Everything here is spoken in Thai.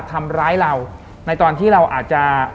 ทำร้ายเราในตอนที่เราอาจจะ